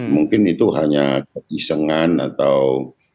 mungkin itu hanya kekisengan atau